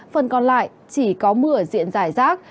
phần còn lại chỉ có mưa diện dài rác